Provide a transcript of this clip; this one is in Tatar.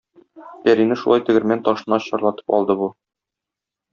Пәрине шулай тегермән ташына чарлатып алды бу.